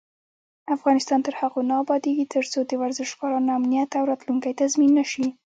افغانستان تر هغو نه ابادیږي، ترڅو د ورزشکارانو امنیت او راتلونکی تضمین نشي.